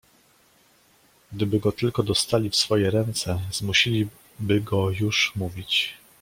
"Gdyby go tylko dostali w swoje ręce zmusiliby go już mówić."